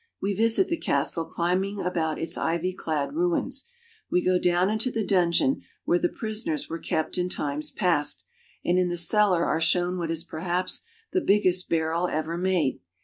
We visit the castle, climbing about its ivy clad ruins. We go down into the dungeon where the prisoners were kept in times past, and in the cellar are shown what is perhaps the biggest barrel ever made.